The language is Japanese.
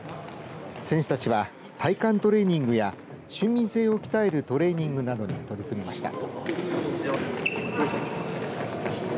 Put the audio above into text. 選手たちは体幹トレーニングや俊敏性を鍛えるトレーニングなどに取り組みました。